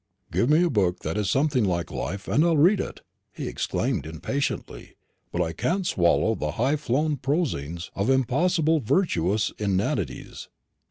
"Give me a book that is something like life, and I'll read it," he exclaimed impatiently; "but I can't swallow the high flown prosings of impossibly virtuous inanities."